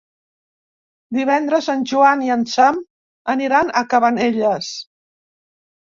Divendres en Joan i en Sam aniran a Cabanelles.